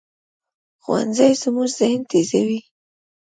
ښوونځی زموږ ذهن تیزوي